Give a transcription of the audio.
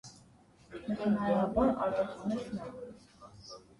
- մենքենայաբար արտասանեց նա.